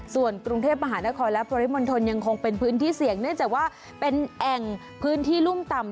ส่วนกรุงเทพมหานครและปริมณฑลยังคงเป็นพื้นที่เสี่ยงเนื่องจากว่าเป็นแอ่งพื้นที่รุ่มต่ำ